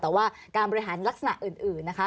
แต่ว่าการบริหารลักษณะอื่นนะคะ